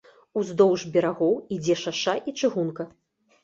Уздоўж берагоў ідзе шаша і чыгунка.